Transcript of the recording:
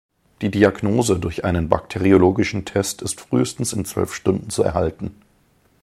Die Diagnose durch einen bakteriologischen Test ist frühestens in zwölf Stunden zu erhalten.